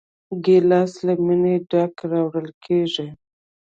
ګیلاس له مینې ډک راوړل کېږي.